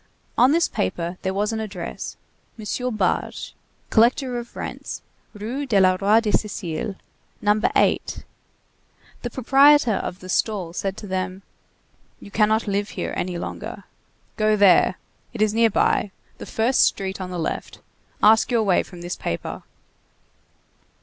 On this paper there was an address: M. Barge, collector of rents, Rue du Roi de Sicile, No. 8. The proprietor of the stall said to them: "You cannot live here any longer. Go there. It is nearby. The first street on the left. Ask your way from this paper."